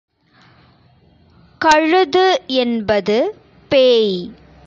கழுது என்பது பேய்.